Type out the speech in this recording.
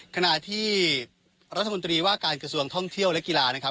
ขณะที่รัฐมนตรีว่าการกระทรวงท่องเที่ยวและกีฬานะครับ